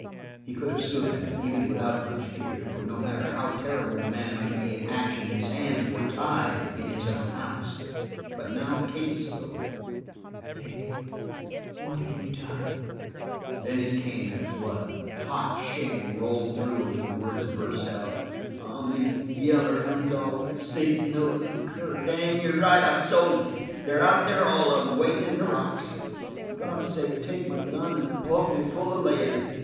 He could have stood that, even without much fear, for no matter how terrible the man might be in action his hands were tied in his own house; but now Kate spoke: "Vic, what have you done?" Then it came, in a flood. Hot shame rolled through him and the words burst out: "I'm a yaller houn' dog, a sneakin' no good cur! Dan, you're right. I've sold you. They're out there, all of 'em, waitin' in the rocks. For God's sake take my gun and pump me full of lead!"